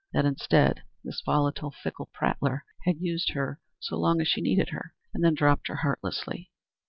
That, instead, this volatile, fickle prattler had used her so long as she needed her, and then dropped her heartlessly.